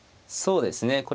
そうですね。